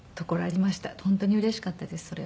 本当にうれしかったですそれ。